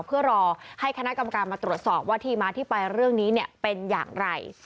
เพื่อรอให้คณะกรรมการมาตรวจสอบว่าที่มาที่ไปเรื่องนี้เป็นอย่างไร